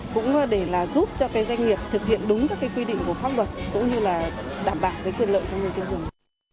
cũng để giúp doanh nghiệp thực hiện đúng quy định của pháp luật cũng như đảm bảo quyền lợi cho người tiêu dùng